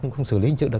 không xử lý hình sự được